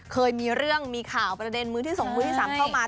เคยมีเรื่องมีข่าวประเด็นมือที่๒มือที่๓เข้ามา